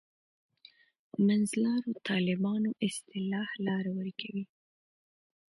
منځلارو طالبانو اصطلاح لاره ورکوي.